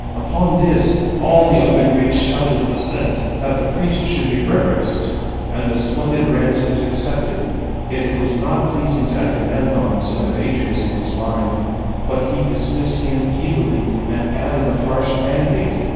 Upon this all the other Greeks shouted assent, that the priest should be reverenced, and the splendid ransoms accepted: yet it was not pleasing to Agamemnon, son of Atreus, in his mind; but he dismissed him evilly, and added a harsh mandate.